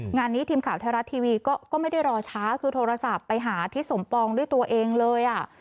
งานนี้ทีมข่าวไทยรัฐทีวีก็ไม่ได้รอช้าคือโทรศัพท์ไปหาทิศสมปองด้วยตัวเองเลยอ่ะ